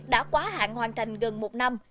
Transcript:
đã quá hạn hoàn thành gần một năm